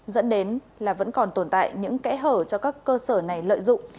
dẫn đến là vẫn còn tồn tại những kẽ hở cho các cơ sở này lợi dụng